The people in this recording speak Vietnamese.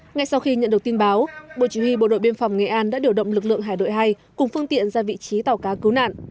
ngay sau khi nhận được tin báo bộ chỉ huy bộ đội biên phòng nghệ an đã điều động lực lượng hải đội hai cùng phương tiện ra vị trí tàu cá cứu nạn